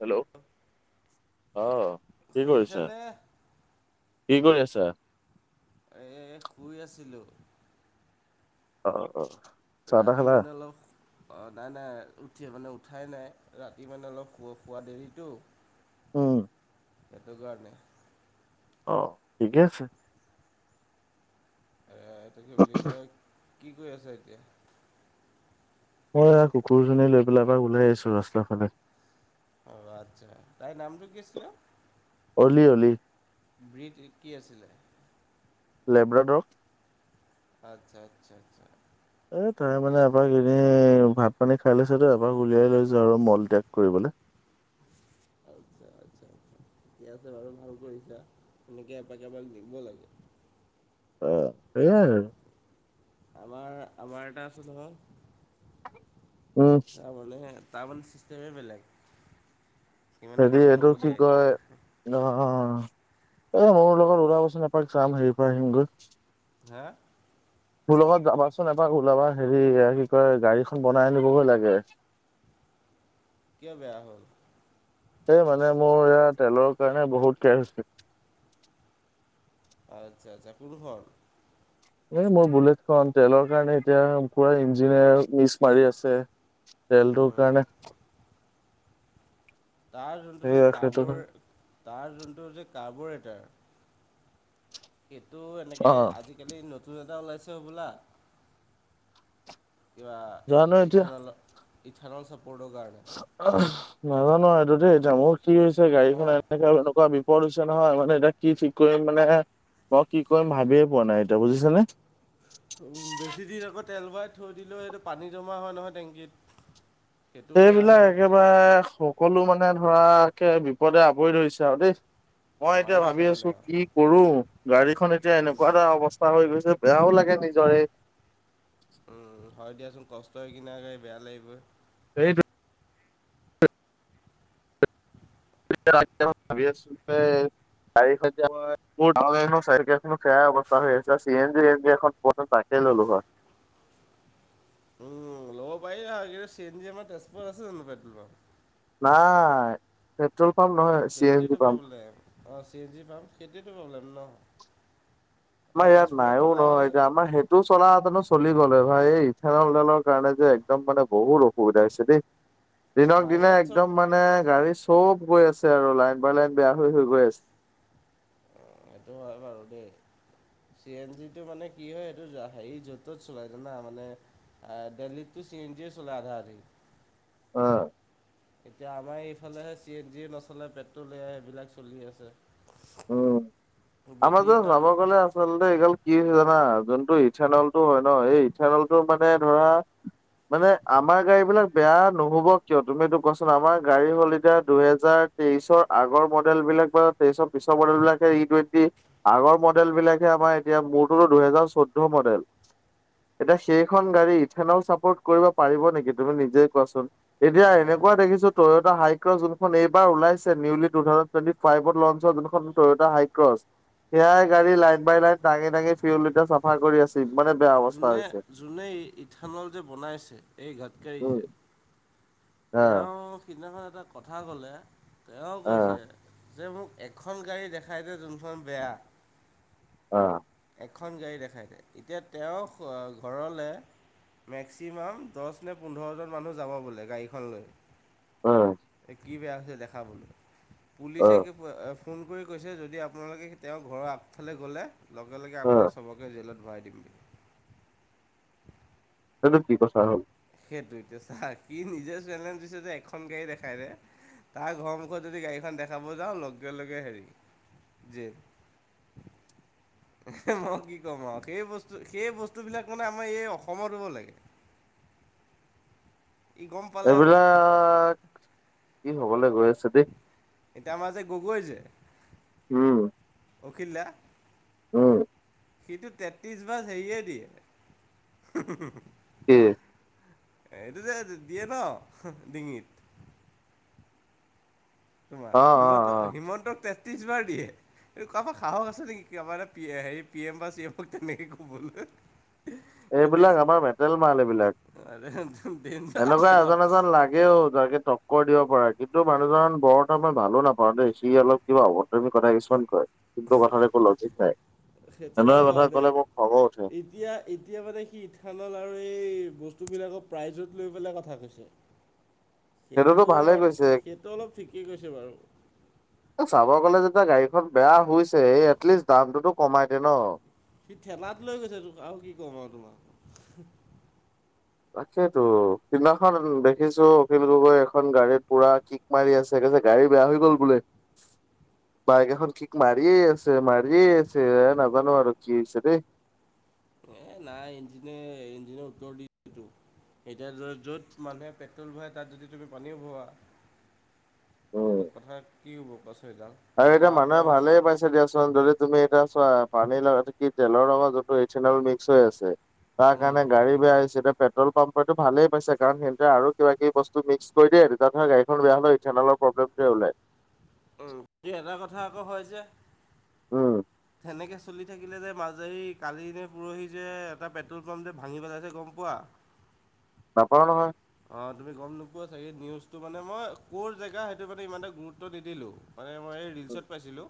Hello! ' আহ কি কৰিছে? শুনিছানে? কি কৰি আছা? এ শুই আছিলো। অ অ। চাহ তাহ ৰাতি খালা মানে অলপ অ নাই নাই উঠি মানে উঠাই নাই ৰাতি মানে অলপ খোৱা দেৰিতো উম। সেইটো কাৰণে। অ ঠিকে আছে। এইটো কি বুলি কয় কি কৰি আছে এতিয়া? মই কুকুৰজনী লৈ পেলাই এ ওলাই আহিছো ৰাস্তা ফালে। অ আচ্ছা তাই নামটো কি আছিল? অ'লি অ'লি। ব্ৰিট কি আছিলে? লেব্ৰডৰক। আচ্ছা আচ্ছা আচ্ছা। এ তাই ঠিকে মানে আছে। এবাক এনেই ভাত পানী খাই লৈছে ত এবাক উলিয়াই লৈছো আৰু মল ত্যাগ কৰিবলে। [inaudible] আচ্ছা- আচ্ছা- আচ্ছা', ঠিকে আছে বাৰু ভাল কৰিছা', সেনেকৈ এপাকেমান দিব লাগে। অ সেইয়াই আৰু। আমাৰ -আমাৰ এটা আছে নহয়', উম', তাৰমানেহে, তাৰামানে ছিষ্টেমেই বেলেগ', সি মানে হেৰি কাকো এইটো নুসুধে কি কয়? অহ', অ', অ', এই মোৰ লগত ওলাবচোন এপাক চাম হেৰি পৰা আহিমগৈ', হা? মোৰ লগত যাবাচোন এপাক ওলাবা হেৰি কি কয়? গাড়ীখন বনাই আনিবগৈ লাগে', [inaudible] কিয় বেয়া হ'ল? এই মানে মোৰ এয়া তেলৰ কাৰণে বহুত কেয়াৰ হৈছিলোঁ', আচ্ছা- আচ্ছা', কোন ডোখৰ? এই মোৰ বুলেট খন, তেলৰ কাৰণে এতিয়া পুৰা ইঞ্জিনে মিচ মাৰি আছে', তেলটো উম, কাৰণে? তাৰ যোনটো যে সেয়া সেইটো কাৰ্বো, তাৰ যোনটো যে কাৰ্বোৰেটৰ', সেইটো এনেকে অ', আজিকালি নতুন এটা ওলাইছে বোলা? কিবা জানো এতিয়া ইথান'লৰ, ইথান'ল ছাপোৰ্টৰ গাৰ্ড', আহ', নাজানোঁ এইটো দেই ডাঙৰ কি হৈছে গাড়ীখন মদ এনেকে এনেকুৱা বি', বিপদ হৈছে নহয়, মানে এতিয়া কি ঠিক কৰিম মানে মই কি কৰিম ভাবিয়ে পোৱা নাই, এতিয়া বুজিছা নে? বেছিদিন আকৌ তেল ভৰাই থৈ দিলেও এইটো পানী জমা হয় নহয় টেংকিত', সেইটোও বেয়া এইবিলাক হ'ল, একেবাৰে সকলো মানে ধৰাকে বিপদে আৱৰি ধৰিছে আৰু দেই', মই মাৰি এতিয়া দিছে ভাবি মানে আছোঁ আৰু। কি? কৰোঁ? গাড়ীখন এতিয়া এনেকুৱা এটা অৱস্থা হৈ গৈছে বেয়াও লাগে নিজৰে', উম', হয় দিয়াচোন কষ্টৰে কিনা গাড়ী বেয়া লাগিবই', সেইটো', তাৰ আগদিনাখন ভাবি আছিলোঁ দেই গাড়ীখন যে আমাৰ, মোৰ ডাঙৰ গাড়ীখন চাৰি চকিয়াখনত', সেয়াই অৱস্থা হৈ আছে C N G N G এখন ক'ত নো পায়, তাকে ললোঁ হয়', উম', ল'ব পাৰিলা হয়, কিন্তু চি এন জি আমাৰ তেজপুৰত আছে জানোঁ পেট্ৰ'ল পাম্প? নাই', পেট্ৰল পাম্প নহয় চি এন জি পাম্প', অহ', চি এন জি পাম্প সেইটোৱেতো প্ৰব্লেম ন', মই আমাৰ ইয়াত তেজপুৰত নাইও থকা নহয় হয় যে আমাৰ সেই', সেইটো চলা হেতেনো চলি গ'লে ভাই, এই ইথানলডালৰ কাৰণে যে একদম মানে বহুত অসুবিধা হৈছে দেই', দিনক দিনে বাহিৰত একদম চব মানে গাড়ী চব গৈ আছে আৰু লাইন বাই লাইন বেয়া হৈ হৈ গৈ আছে', অ', সেইটো হয় বাৰু দেই', চি এন জিটো মানে কি হয় এইটো হেৰি য'ত ত'ত চলাই জানা মানে', অহ', ডেল্লীতটো চি এন জি চলে আধা আধি', অহ', এতিয়া আমাৰ এইফালেহে চি এন জি নচলে পেট্ৰল এইবিলাক চলি আছে', উম', আমাৰ যে বেটেৰীৰ যাব কাৰণে গ'লে আছে', আচলতে এইগাল কি হৈছে জানা যোনটো ইথানলটো হয় ন এই ইথানলটো মানে ধৰা', মানে আমাৰ গাড়ী বিলাক বেয়া নহ'ব কিয় তুমি এইটো কোৱাচোন? আমাৰ গাড়ী হ'ল এতিয়া দুহেজাৰ', তেইশৰ আগৰ মডেল বিলাক বা তেইশৰ পিছৰ মডেল বিলাকে ই টুৱেণ্টি', আগৰ মডেল বিলাকহে আমাৰ এতিয়া মোৰটোত দুহেজাৰ চৈধ্য মডেল', এতিয়া সেইখন গাড়ী ইথানল চাপৰ্ট কৰিব পাৰিব নেকি তুমি নিজেই কোৱাচোন? এতিয়া হয় এনেকুৱা হয় দেখিছোঁ? টয়োটা হাইক্ৰ যোনখন এইবাৰ ওলাইছে নিউলি টু থাউজেন্ড টুৱেণ্ট ফাইভত লঞ্চ হোঁৱা যোনখন ', টয়তা হাইক্ৰ সেয়াই গাড়ী লাইন বাই লাইন দাঙি দাঙি ফিউল চাফা কৰি আছ মানে বেয়া অৱস্থা যোনে হৈছে যোনেই ইথানল যে বনাইছে এই ঘাটকাৰী উম যে অ তেওঁ সিদিনাখন এটা কথা ক'লে, তেওঁ অ কৈছে? যে মোক এখন গাড়ী দেখাই দে যোনখন বেয়া? আহ', এখন গাড়ী দেখাই দে এতিয়া তেওঁ ঘৰলে মেক্সিমাম দহ নে পোন্ধৰজন মানুহ যাব বোলে গাড়ীখনলৈ অ কি বেয়া হৈছে দেখাবলৈ অ পুলিচে ফোন কৰি কৈছে যদি আপোনালোকে তেওঁৰ ঘৰৰ আগফালে গ'লে লগে লগে অ আপোনাক চবকে জেলত ভৰাই দিমগে সেইটো কি কথা হল। সেইটোৱে এতিয়া চা কি নিজে সেলেঞ্চ দিছে যে এখন গাড়ী দেখাই দে। তাৰ ঘৰৰ মুখত যদি গাড়ীখন দেখাব যাওঁ লগে লগে হেৰি জেল মই কি কম আও সেই বস্তু সেই বস্তুবিলাক মানে আমাৰ এই অসমত হব লাগে। ই গম পালে হয় এইবিলাক কি হবলৈ গৈ আছে দেই। এতিয়া আমাৰ যে গগৈ যে উম। অখিল দা। উম। সিটো তেত্ৰিশ বাৰ হেইয়ে দিয়ে কি এইটো যে দিয়ে ন ডিঙিত অ তোমাৰ অ হিমন্ত অ হিমন্তক তেত্ৰিশ বাৰ দিয়ে এই কাৰবাৰ সাহস আছে নেকি কাৰোবাৰ এটা হেৰি পি এম বা চি এমক তেনেকে ক'বলৈ। এইবিলাক আমাৰ মেটেল মাল এইবিলাক দিনটো দিনটো আছে মান তাকেও যাকে তক্কৰ দিব পৰা কিন্তু মানুহজন বৰ ত মই ভালো নাপাওঁ দেই চি অলপ কিবা অভদ্ৰামি কথা কিছুমান কয়। কিন্তু কথাত একো লজিক নাই সেইটো এনেক হয় কথা বাৰু কলে দেই মোৰ খঙো উঠে। এতিয়া এতিয়া মানে সি ইথানল আৰু এই বস্তুবিলাকৰ প্ৰাইজত লৈ পেলাই কথা কৈছে। [inaudible] সেইটো ভালে কৈছে সেইটো অলপ ঠিকেই কৈছে বাৰু। এ চাব গ'লে যেতিয়া গাড়ীখন বেয়া হৈছে এটলিষ্ট দামটোতো কমাই দে ন। সি ঠেলাত লৈ গৈছে তোক আও কি কম আও তোমাক। তাকেইতো সিনাখন দেখিছো অখিল গগৈ এখন গাড়ীত পুৰা কিক মাৰি আছে কৈছে গাড়ী বেয়া হৈ গল বোলে বাইক এখন কিক মাৰিয়ে আছে মাৰি মাৰীয়ে আছে নাজানো আৰু কি হৈছে দেই। এ নাই ইঞ্জিনে ইঞ্জিনে উত্তৰ দিটো এতিয়া য' য'ত মানুহে পেট্ৰল ভৰাই তাত যদি তুমি পানীও ভৱা [inaudible] কথা কি হব কোছো এইডাল আৰে এতিয়া মানুহে ভালেই পাইছে দিয়াচ চোন যদি তুমি এটা চোৱা পানীৰ লগা কি তেলৰ লগত যোনটো ইথেনল মিক্স হৈ আছে। তাৰ উম কাৰণে গাড়ী বেয়া হৈছে এতিয়া পেট্ৰল পাম্পটো ভালেই পাইছে কাৰণ সিহতে আৰু কিবা কিবি বস্তু মিক্স কৰি দিয়ে তেতিয়া ধৰ গাড়ীখন বেয়া হলোঁ ইথানলৰ প্ৰব্লেম টোৱে ওলাই। উম কি এটা কথা আকৌ হয় যে উম সেনেকে চলি থাকিলে যে মাজেৰি কালি নে পৰহি যে এটা পেট্ৰল পাম্প যে ভাঙি পেলাইছে গম পোৱা। নাপাওঁ নহয়। অ তুমি গম নোপোৱা চাগে? নিউজটো মানে মই ক'ৰ জেগা সেইটো মানে ইমানটা গুৰুত্ব নিদিলো। মানে মই ৰিলছত পাইছিলোঁ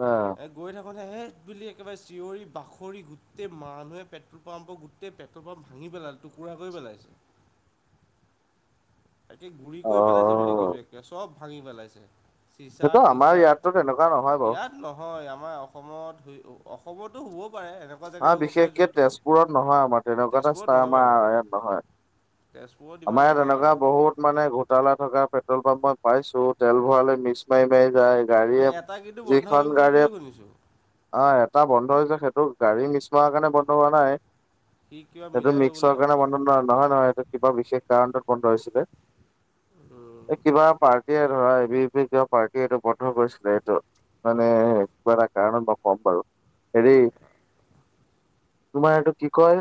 অ এ গৈ থাকোতে হেত বুলি একেবাৰে চিঞৰি বাখৰি গোটেই মানুহে পেট্ৰল পাম্পৰ গোট গোটেই পেটল পাম্প ভাঙি পেলাল, টুকুৰা কৰি পেলাইছে। তাকে গুৰি অ কৰি পেলাইছে বুলি কৈছো একে চব ভাঙি পেলাইছে। চিচাৰ সেইটো আমাৰ টিচাৰ ইয়াততো তেনেকুৱা নহয় বাৰু ইয়াত নহয় আমাৰ অসমত হৈ ও অসমতো হ'বও পাৰে এনেকুৱা অ জেগাত হ'ব পাৰে বিশেষকে যোনটো, তেজপুৰত নহয় আমাৰ তেনেকুৱা এটা তেজপুৰত ষ্টাৰ নহয় বাৰু। আমাৰ ইয়াত নহয়। তেজপুৰত ইমান আমাৰ ইয়াত নহয় তেনেকুৱা বাৰু বহুত মানে ঘোটালা থকা পেট্ৰল পাম্প মই পাইছো তেল ভৰালেৈ মিক্স মাৰি মাৰি যায়। এই গাড়ীয়ে এটা কিন্তু বন্ধ হৈ যিখন গ'ল গাড়ীয়ে বুলি শুনিছোঁ অ এটা বন্ধ হৈছে সেইটো গাড়ী মিছ মৰাৰ কাৰণে বন্ধ হোৱা নাই। সি কিবা সেইটো মিলায়ো মিক্সৰ বোলে কাৰণে বন্ধ নয়হ নহয় নহয় এইটো কিবা বিশেষ কাৰণটোত বন্ধ হৈছিলে। উম, এ কিবা পাৰ্টি ধৰা হেভি হেভি কেঅ পাৰ্টীয়ে এইটো বন্ধ কৰিছিলে এইটো মানে কিবা এটা কাৰণত মই ক'ম বাৰু। হেৰি তোমাৰ এইটো কি কয়,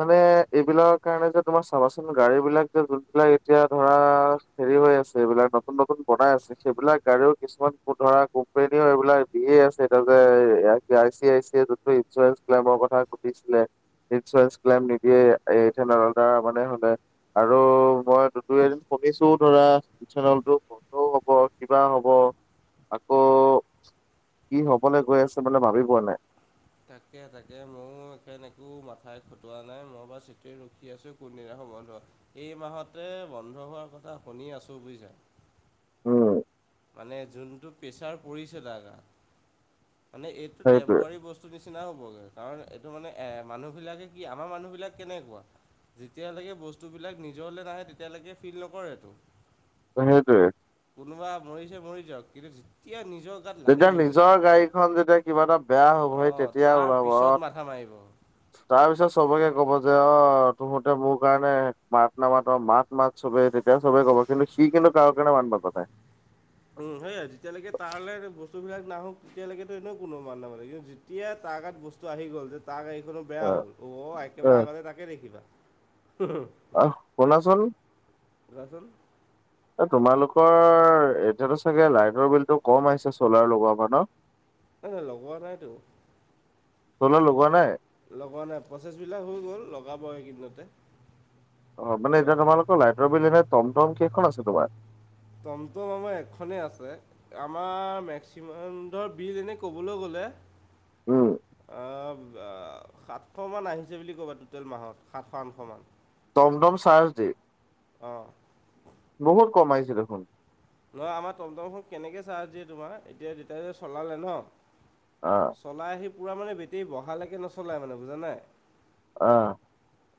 মানে এইবিলাক কাৰণে যে তোমাচ চাবাচোন গাড়ী বিলাক যে যোনবিলাক এতিয়া ধৰা হেৰি হৈ আছে এইবিলাক নতুন নতুন বনাই আছে সেইবিলাক গাড়ীও কিছুমান ধৰা কোম্পানীও এইবিলাক দিয়ে আছে [unintelligible] আই চি আই চি এ যটো ইঞ্চুৰেঞ্চ ক্লেইমৰ কথা সুধিছিলে ইঞ্চুৰেঞ্চ ক্লেইম নিদিয়ে, [unintelligible] আৰু মই টুৱেল শুনিছো ধৰা ইথেনলটো বন্ধও হব কিবা হ'ব। আকৌ কি হবলে গৈ আছে বোলে ভাবি পোৱা নাই। তাকে তাকে মোৰ এখন একো মাথাই খটোৱা নাই মই বা চিট ৰখি আছো কোনদিনা বন্ধ এই মাহতে বন্ধ হোৱাৰ কথা শুনি আছো বুজিছে। উম। মানে যোনটো প্ৰেছাৰ পৰিছে টা গাত মানে এইটো সেইটোৱে টেম্পৰী বস্ত- বস্তু নিচিনাই হ'বগে, কাৰণ এইটো মানে এ মানুহ বিলাকে কি আমাৰ মানুহ বিলাক কেনেকুৱা। যেতিয়ালৈকে বস্তুবিলাক নিজলে নাহে তেতিয়ালৈকে ফিল নকৰেটো। অ সেইটোৱে। কোনোবা মৰিছে মৰি যাওক, কিন্তু যেতিয়া নিজক তেতিয়া নিজৰ গাড়ীখন যেতিয়া কিবা এটা বেয়া হ'বহ তেতিয়া ওলাব অ থা মাৰিব। তাৰ পিছত চবকে কব যে অ তহতে মোৰ কাৰণে মাত নামাত মাত মাত চবেই তেতিয়া সবেই ক'ব কিন্তু সি কিন্তু কাৰো কাৰণে মাত মতা নাই। সেয়াই যেতিয়ালৈকে তাৰলে বস্তুবিলাক নাহওক তেতিয়ালৈকেতো এনেও কোনেও মাত নামাতে কিন্তু এতিয়া তাৰ গাত বস্তু আহি গ'ল যে তাৰ গাড়ীখনো বেয়া হ'ল অ একেবাৰে আগতে তাকে দেখিবা। [unintelligible] আহ শুনাচোন? চোৱাচোন এ তোমালোকৰ এতিয়াতো চাগে লাইটৰ বিলতটো কম আহিছে চলাৰ লগোৱা পৰা ন? হে লগোৱা নাইটো। চ'লাৰ লগোৱা নাই লগোৱা নাই প্ৰচেছবিলাক হৈ গ'ল লগাব এইকেইদিনতে। অ মানে এতিয়া অলপ তোমালোকৰ লাইটৰ বিল এনেই টম টম কেইখন আছে তোমাৰ? টম টম আমাৰ এখনেই আছে। আমাৰ মেক্সিমামডৰ বিল এনেই ক'বলৈ গ'লে উম। আব আ সাতশমান আহিছে বুলি ক'বা ট'টেল মাহত সাতশ আঠশমান। টম টম চাৰজ দি, অঁ বহুত কম আহিছে দেখোন। নহয় আমাৰ টম টমখন কেনেকে চাৰ্জ দিয়ে তোমাৰ এতিয়া তেতিয়া চলালে ন। অ- চলাই আহি পূৰা মানে বেটেৰী বহালৈকে নচলাই মানে বুজা নাই। অহ'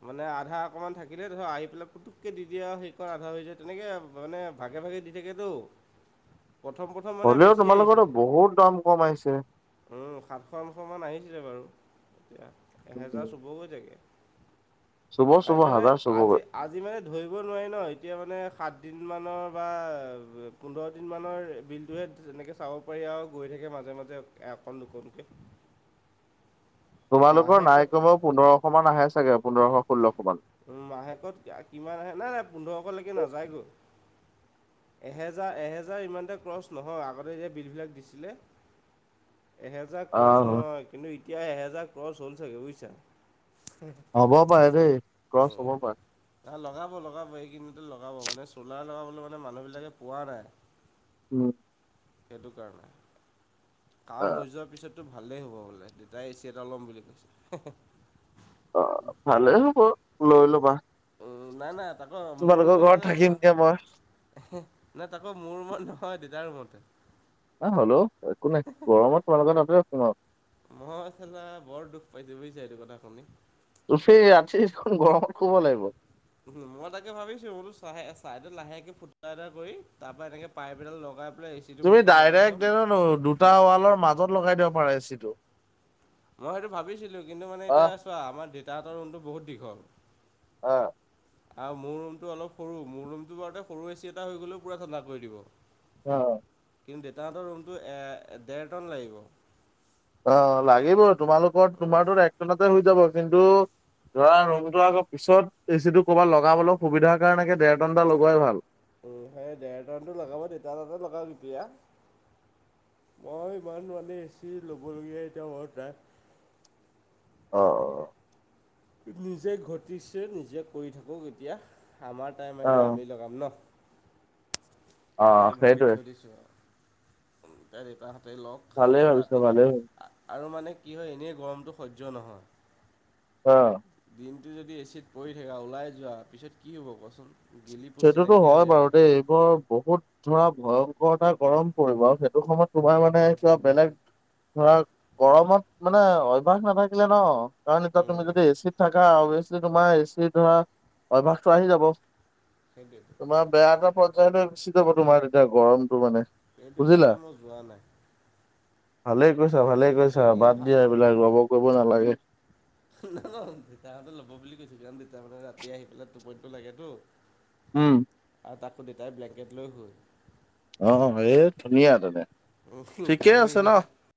মানে আধা অকণমান থাকিলে ধৰা আহি পেলাই পুতুকৈ দি দিয়ে, আৰু সেইকৰ আধা হৈ যায় তেনেকৈ মানে ভাগে ভাগে দি তেকেটো, প্ৰথম প্ৰথম মানে হ'লেও বেছি তোমালোকৰতো আহিছিলে। বহুত দাম কম আহিছে সাতশ আঠশ মান আহিছিলে বাৰু এতিয়া। এহেজাৰ চুব গৈ তাকে চুব চুব কাইলৈ মানে হাজাৰ চুবগৈ আজি। আজি মানে ধৰিব নোৱাৰি ন এতিয়া মানে সাতদিনমানৰ বা পোন্ধৰ দিনমানৰ বিলটোহে এনেকৈ চাব পাৰি আউ গৈ থাকে মাজে - মাজে এখন দুখন কে তোমালোকৰ মাহেকত নাই কমেও পোন্ধৰশ মান আহে চাগে পোন্ধৰশ ষোল্লশ মান? উম মাহেকত কিমান আহে নাই নাই পোন্ধৰশলৈকে নাযায়গৈ। এহেজাৰ এহেজাৰ ইমানতে ক্ৰছ নহয় আগতে এই বিলবিলাক দিছিলে। এহেজাৰ ক্ৰছ আহ নহয়, কিন্তু এতিয়া এহেজাৰ ক্ৰছ হ'ল চাগে বুজিছা? হ'ব পাৰে দেই ক্ৰচ হ'ব পাৰে। না লগাব লগাব এইকিদিনতে লগাব, মানে চলাৰ লগাবলৈ মানে মানুহবিলাকে পোৱা নাই? উম। সেইটো কাৰণে, কাম হৈ যোৱাৰ পিছতটো ভালেই হ'ব বোলে। তাই এ চি এটা ল'ম বুলি কৈছে। অ ভালেই হ'ব লৈ ল'বা। উম' নাই নাই তাকো মোৰ তোমালোকৰ ৰুমৰ ঘৰত কাৰণে নহয়? থাকিমগে মই হুম, নাই তাকো মোৰ ৰুমত নহয় দেউতাৰ ৰুমতহে। হ'লেও একো নাই, গৰমত তোমালোকৰ তাতে ৰখিম আও। মই চালা বৰ দুখ পাইছ বুজিছা এইটো কথা শুনি? তূফি আঠি দেখুন গৰমত শুব লাগিব। উম' মই তাকে ভাবিছো বোলো চাহে চাইডত লাহেকে ফুটা এটা কৰি, তাৰ পৰা এনেকে পাইপ এডাল লগাই পেলাই ইচ তুমি ডাইৰেক্টো দুটা ৱালৰ মাজত লগাই দিব পাৰা এচিটো। মই সেইটো ভাবিছিলো কিন্তু মানে, এতিয়া অহ ছোৱা আমাৰ দেউতাহঁতৰ মনটো বহুত দীঘল। অহ'। আৰু মোৰ ৰুমটো অলপ সৰু, মোৰ ৰুমটো বাৰুতে সৰু এ চি এটা হৈ গ'লেও পুৰা ঠাণ্ডা কৰি দিব। অহ'। কিন্তু দেউতাহঁতৰ ৰুমটো এ ডেৰটন লাগিব। অ' লাগিব, তোমালোকৰ তোমাৰতো একটনতে হৈ যাব কিন্তু ধৰা ৰুমটো আকৌ পিছত এচি টো ক'ৰবাত লগাবলৈ সুবিধাৰ কাৰণে ডেৰ টনটা লগোৱাই ভাল। উম সেই ডেৰটানটো লগাব দেটা হতে লগাওক এতিয়া। মই ইমান মানে এ ছি ল'বলগীয়া এতিয়া মন নাই। অ। নিজে ঘটিছে নিজে কৰি থাকক এতিয়া, আমাৰ টাইম আহিলে আমি লগাম ন। অ' সেইটো ভাবি সেইটোৱে থৈ দিছোঁ আৰু, দেউতাহঁতে লওক। ভালেই মোৰ ভাবিছা, ৰাতি ভালেই ভাবিছা। আৰু মানে কি হয় এনেই গৰমটো সহ্য নহয়। অহ। দিনটো যদি এ চি ত পৰি থাকা ওলাই যোৱা পিছত কি হ'ব কোৱাচোন? গেলি পচি সেইটোতো নাইকিয়া হয় হৈ বাৰু যাবা দেই, বৰ বহুত ধৰা ভয়ংকৰ এটা গৰম পৰিব আৰু সেইটো সময়ত তোমাৰ মানে ছোৱা বেলেগ ধৰা গৰমত মানে অভ্যাস নাথাকিলে ন, কাৰণ এতিয়া তুমি উম, যদি এ চি ত থাকা, অভিয়াচলি তোমাৰ এ চি ধৰা অভ্যাসটো আহি যাব। Thank you. তোমাৰ বেয়া এটা পৰ্যায় গুছি যাব, তোমাৰ তেতিয়া গৰমটো মানে। সেইটো বুজিলা কাৰণে মই যোৱা নাই। ভালে কৈছা আৰু ভালে কৈছা, এনেই বাদ হা দিয়া এইবিলাক ৰ'ব কৰিব নালাগে। নাযাও দেউতাহঁতে ল'ব বুলি কৈছো কাৰণত মানে ৰাতি আহি পেলাই টোপনিটো লাগেতো ওম। আৰু তাকো দেতাই ব্লেংকেট লৈ শুৱে। অ অ সেয়ে, ধুনীয়া তেনে শুৱে ঠিকে ঘামি আছে ন। যায়